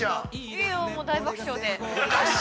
◆いや、もう大爆笑で。